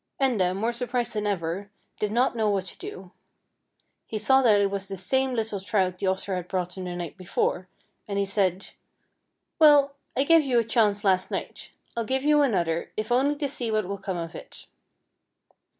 Enda, more surprised than ever, did not know THE HOUSE IN THE LAKE 25 what to do. He saw that it was the same little trout the otter had brought him the night before, and he said :" Well, I gave you a chance last night. I'll give you another, if only to see what will come of it."